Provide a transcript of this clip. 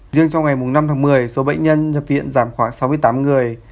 riêng trong ngày năm tháng một mươi số bệnh nhân nhập viện giảm khoảng sáu mươi tám người